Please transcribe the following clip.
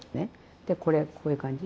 でこれこういう感じ？